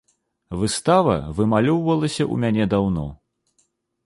Выстава вымалёўвалася ў мяне даўно.